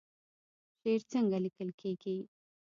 شعر څنګه لیکل کیږي؟